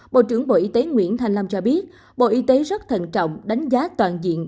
bộ trưởng bộ y tế nguyễn thành long cho biết bộ y tế rất thận trọng đánh giá toàn diện